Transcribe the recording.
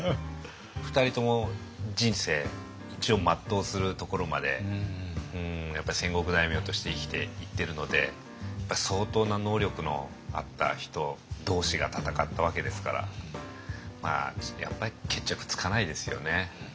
２人とも人生一応全うするところまでやっぱり戦国大名として生きていってるので相当な能力のあった人同士が戦ったわけですからやっぱり決着つかないですよね。